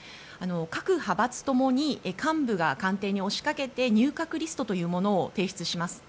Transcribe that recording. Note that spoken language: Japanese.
各派閥共に幹部が官邸に押しかけて入閣リストを提出します。